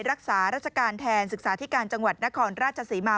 รักษาราชการแทนศึกษาที่การจังหวัดนครราชศรีมา